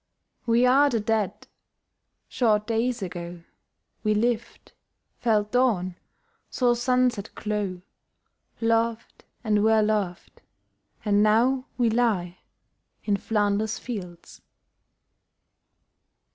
We are the Dead. Short days ago We lived, felt dawn, saw sunset glow, Loved, and were loved, and now we lie In Flanders fields.